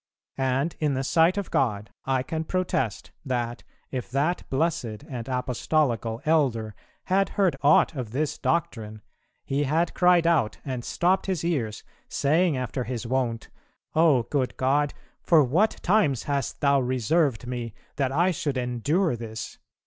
... And in the sight of God, I can protest, that, if that blessed and apostolical Elder had heard aught of this doctrine, he had cried out and stopped his ears, saying after his wont, 'O Good God, for what times hast thou reserved me that I should endure this?'